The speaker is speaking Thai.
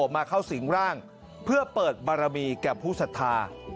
มาเข้าสิงร่างเพื่อเปิดบารมีแก่ผู้ศรัทธา